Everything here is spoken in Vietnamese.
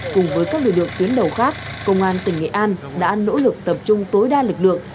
cùng với các lực lượng tuyến đầu khác công an tỉnh nghệ an đã nỗ lực tập trung tối đa lực lượng